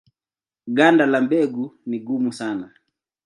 Ganda la mbegu ni gumu sana.